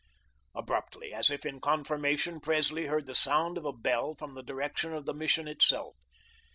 Abruptly, as if in confirmation, Presley heard the sound of a bell from the direction of the Mission itself.